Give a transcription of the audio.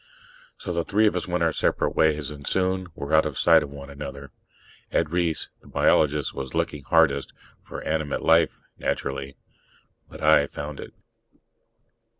So the three of us went our separate ways, and soon were out of sight of one another. Ed Reiss, the biologist, was looking hardest for animate life, naturally. But I found it.